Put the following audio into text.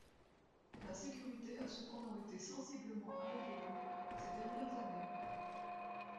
La sécurité a cependant été sensiblement améliorée ces dernières années.